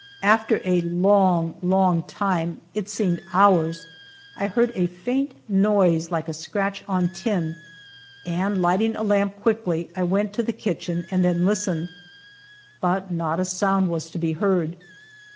After a long, long time, it seemed hours, I heard a faint noise like a scratch on tin, and lighting a lamp quickly, I went to the kitchen and then listened. But not a sound was to be heard.